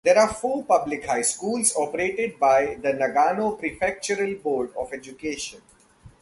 There are four public high schools operated by the Nagano Prefectural Board of Education.